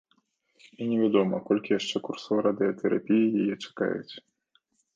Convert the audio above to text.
І невядома, колькі яшчэ курсаў радыетэрапіі яе чакаюць.